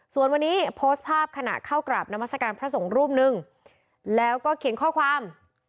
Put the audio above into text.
ส่วนวันนี้โพสต์ภาพขณะเข้ากราบนามัศกาลพระสงฆ์รูปหนึ่งแล้วก็เขียนข้อความ